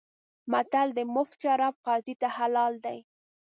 متل دی: مفت شراب قاضي ته حلال دي.